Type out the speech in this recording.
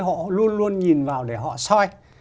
họ luôn luôn nhìn vào để họ soi